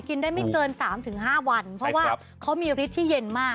กินได้ไม่เกิน๓๕วันเพราะว่าเขามีฤทธิ์ที่เย็นมาก